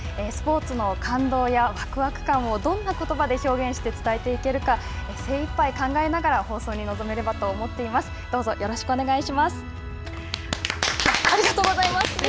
スポーツの感動やわくわく感をどんなことばで表現して伝えていけるか、精いっぱい考えながら放送に臨めればと思っています。